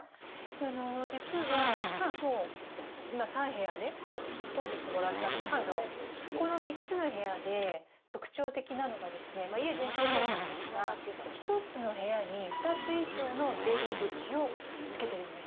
実は、もう今、３部屋ね、通ってきてもらったんですけど、この３つの部屋で特徴的なのが、家全体そうなんですが、１つの部屋に２つ以上の出入り口を付けているんです。